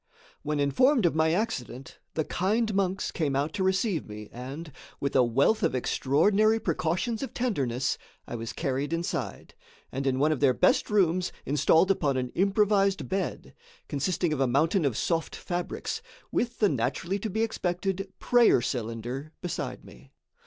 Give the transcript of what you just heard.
When informed of my accident, the kind monks came out to receive me and, with a wealth of extraordinary precautions of tenderness, I was carried inside, and, in one of their best rooms, installed upon an improvised bed, consisting of a mountain of soft fabrics, with the naturally to be expected prayer cylinder beside me.